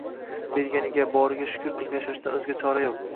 Berganiga, boriga shukr kilib yashashdan o`zga chora yo`q